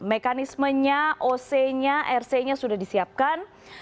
mekanismenya ocnya rcnya sudah disiapkan